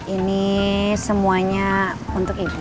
ini semuanya untuk ibu